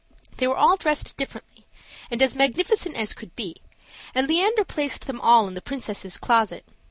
They were all dressed differently, and as magnificent as could be, and Leander placed them all in the princess' closet.